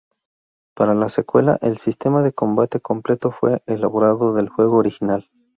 Para la secuela, el sistema del combate completo fue reelaborado del juego original.